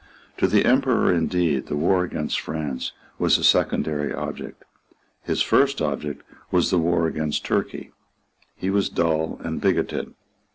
To the Emperor indeed the war against France was a secondary object. His first object was the war against Turkey. He was dull and bigoted.